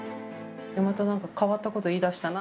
またなんか変わったこと言い出したなあ。